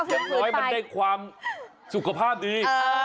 อย่างน้อยมันได้ความสุขภาพดี